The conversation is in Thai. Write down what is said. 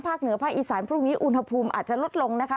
เหนือภาคอีสานพรุ่งนี้อุณหภูมิอาจจะลดลงนะคะ